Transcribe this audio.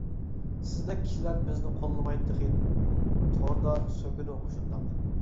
سىزدەك كىشىلەر بىزنى قوللىماي تېخى توردا سۆكىدۇ مۇشۇنداق.